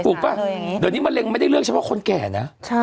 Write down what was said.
ป่ะเดี๋ยวนี้มะเร็งไม่ได้เลือกเฉพาะคนแก่นะ